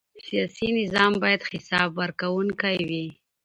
سیاسي نظام باید حساب ورکوونکی وي